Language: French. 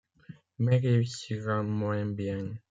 Mais réussira moins bien…